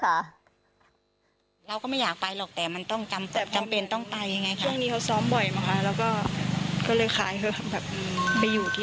เราก็ไม่อยากไปหรอกแต่มันต้องจำเป็นต้องไป